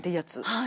はい。